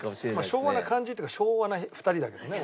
昭和な感じっていうか昭和な２人だけどね